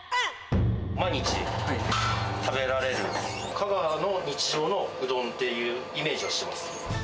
毎日食べられる香川の日常のうどんっていうイメージをしています。